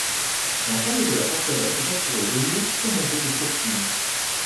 L'ensemble de la forteresse est entouré de murs surmontés de courtines.